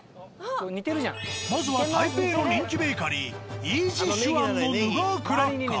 まずは台北の人気ベーカリー「一之軒」のヌガークラッカー。